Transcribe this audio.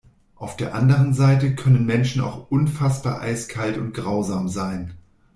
Auf der anderen Seite können Menschen auch unfassbar eiskalt und grausam sein.